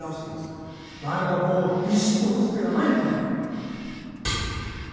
何かこうビシッと打つ手がないのかね。